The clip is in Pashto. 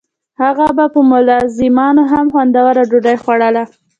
هغه به په ملازمانو هم خوندوره ډوډۍ خوړوله.